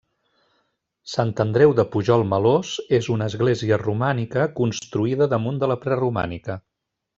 Sant Andreu de Pujol Melós és una església romànica construïda damunt de la preromànica.